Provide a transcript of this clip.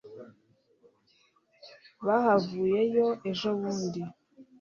bahavuyeyo ejobundi